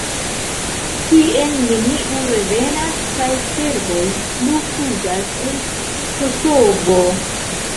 Tien neniu revenas, kaj serboj plu fuĝas el Kosovo.